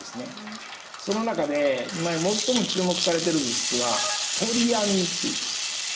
その中で今最も注目されてる物質はポリアミンっていう物質なんです。